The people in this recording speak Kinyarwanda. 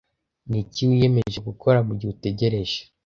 Ni iki wiyemeje gukora mugihe utegereje